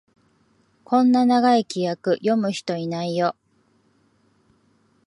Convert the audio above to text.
こんな長い規約、読む人いないよ